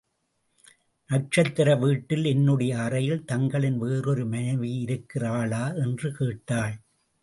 நட்சத்திர வீட்டில் என்னுடைய அறையில், தங்களின் வேறொரு மனைவியிருக்கிறாளா? என்று கேட்டாள்.